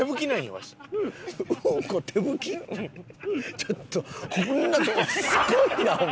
ちょっとこんなすごいなお前。